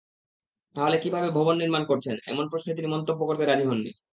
তাহলে কীভাবে ভবন নির্মাণ করছেন, এমন প্রশ্নে তিনি মন্তব্য করতে রাজি হননি।